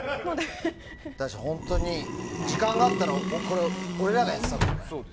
本当に時間があったら俺らがやってたわけじゃない。